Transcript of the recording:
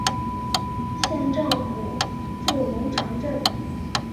县政府驻龙城镇。